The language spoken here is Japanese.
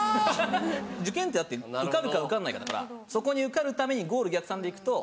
受験ってだって受かるか受かんないかだからそこに受かるためにゴール逆算で行くと。